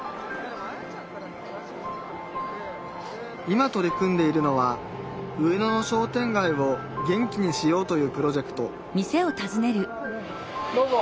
今取り組んでいるのは上野の商店街を元気にしようというプロジェクトどうぞ。